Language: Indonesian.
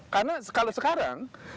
karena kalau sekarang